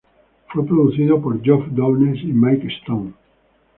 Fue producido por Geoff Downes y Mike Stone.